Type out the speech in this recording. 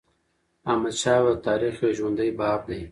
احمدشاه بابا د تاریخ یو ژوندی باب دی.